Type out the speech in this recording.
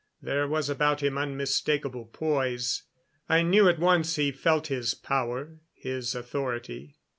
There was about him unmistakable poise. I knew at once he felt his power, his authority.